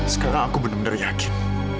sekarang aku bener bener yakin